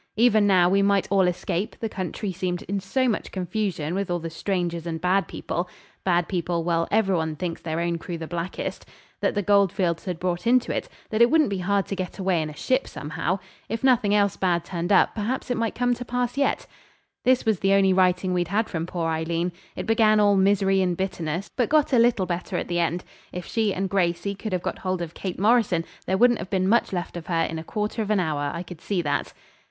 Even now we might all escape, the country seemed in so much confusion with all the strangers and bad people' (bad people well, every one thinks their own crow the blackest) 'that the goldfields had brought into it, that it wouldn't be hard to get away in a ship somehow. If nothing else bad turned up perhaps it might come to pass yet.' This was the only writing we'd had from poor Aileen. It began all misery and bitterness, but got a little better at the end. If she and Gracey could have got hold of Kate Morrison there wouldn't have been much left of her in a quarter of an hour, I could see that.